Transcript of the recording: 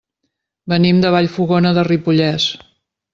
Venim de Vallfogona de Ripollès.